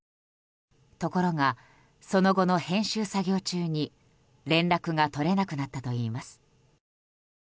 ところが、その後の編集作業中に連絡が取れなくなったといいます。